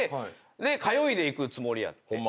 で通いで行くつもりやって。